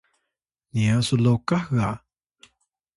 niya su lokah ga!